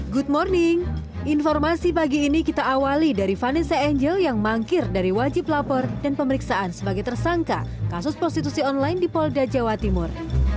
good morning informasi pagi ini kita awali dari vanessa angel yang mangkir dari wajib lapor dan pemeriksaan sebagai tersangka kasus prostitusi online di polda jawa timur